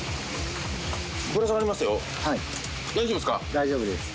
大丈夫ですか？